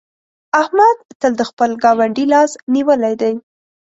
احمد تل د خپل ګاونډي لاس نيولی دی.